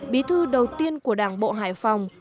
bí thư đầu tiên của đảng bộ hải phòng